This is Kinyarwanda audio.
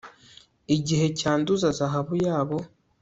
Igihe cyanduza zahabu yabo